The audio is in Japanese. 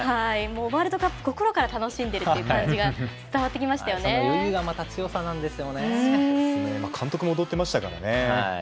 ワールドカップ心から楽しんでいる感じが余裕が監督も踊ってましたからね。